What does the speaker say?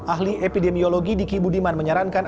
ahli epidemiologi diki budiman menyarankan